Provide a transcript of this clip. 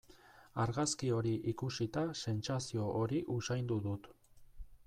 Argazki hori ikusita sentsazio hori usaindu dut.